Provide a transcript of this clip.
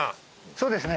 そうですね